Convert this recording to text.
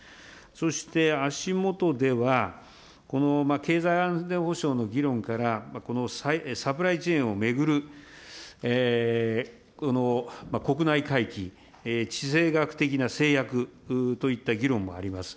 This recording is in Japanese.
そして足下では、この経済安全保障の議論からサプライチェーンを巡る国内回帰、地政学的な制約といった議論もあります。